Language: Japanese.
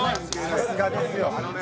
さすがですよ